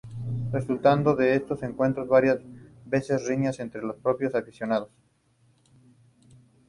Resultando de estos encuentros varias veces riñas entre los propios aficionados.